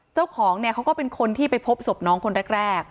เจ้าของเนี่ยเขาก็เป็นคนที่ไปพบศพน้องคนแรก